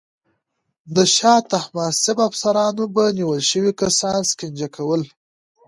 د شاه طهماسب افسرانو به نیول شوي کسان شکنجه کول.